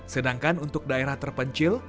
sedangkan untuk daerah terpencil